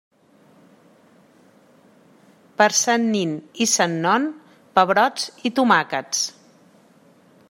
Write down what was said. Per Sant nin i Sant Non, pebrots i tomàquets.